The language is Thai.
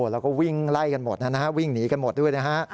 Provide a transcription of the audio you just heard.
แล้วก็วิ่งไล่กันหมดนะฮะวิ่งหนีกันหมดด้วยนะฮะ